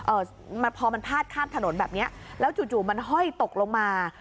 เอ่อพอมันพาดข้ามถนนแบบเนี้ยแล้วจู่จู่มันห้อยตกลงมา